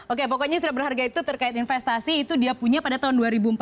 oke pokoknya surat berharga itu terkait investasi itu dia punya pada tahun dua ribu empat belas